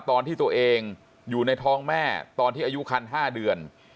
ตอนที่ตัวเองอยู่ในท้องแม่ตอนที่อายุคัน๕เดือน